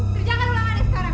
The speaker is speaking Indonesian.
kerjakan ulangannya sekarang